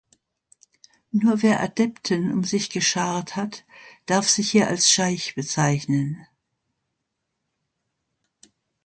Nur wer Adepten um sich geschart hat, darf sich hier als Scheich bezeichnen.